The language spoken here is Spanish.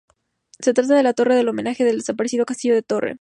Se trata de la torre del homenaje del desaparecido castillo de Torrent.